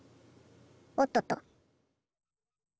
おっとっと！